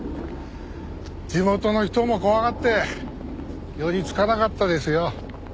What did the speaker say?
地元の人も怖がって寄りつかなかったですよ。